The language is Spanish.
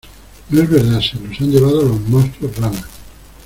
no es verdad. se los han llevado los monstruos rana